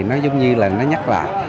nó giống như là nó nhắc lại